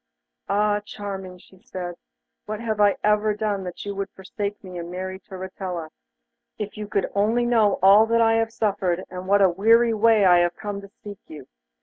'Ah, Charming!' she said, 'what have I ever done that you should forsake me and marry Turritella? If you could only know all I have suffered, and what a weary way I have come to seek you.